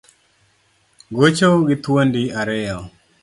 Gocho gi thuondi ariyo